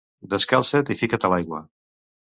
Descalça't i fica't a l'aigua.